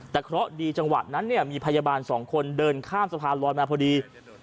แต่เขาอยู่จังหวัดนั้นเนี่ยมีพยาบาล๒คนเดินข้ามสะพานล้อนนะพอดี